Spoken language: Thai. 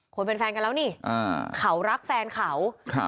ควรเป็นแฟนกันแล้วนี่อ่าเขารักแฟนเขาครับ